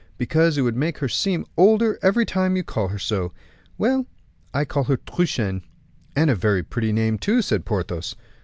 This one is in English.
"Because it would make her seem older every time you call her so." "Well, I call her Truchen." "And a very pretty name too," said Porthos.